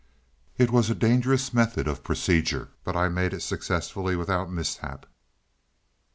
"It was a dangerous method of procedure, but I made it successfully without mishap.